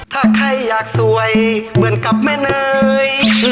ถ้าใครอยากสวยเหมือนกับแม่เนย